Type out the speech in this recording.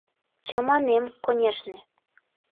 — Чаманем, конешне.